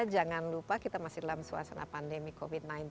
jangan lupa kita masih dalam suasana pandemi covid sembilan belas